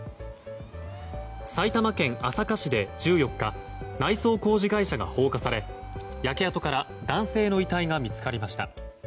埼玉県朝霞市で１４日内装工事会社が放火され焼け跡から男性の遺体が見つかりました。